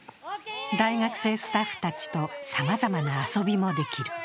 大学生スタッフたちとさまざまな遊びもできる。